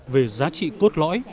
về giá trị cốt lõi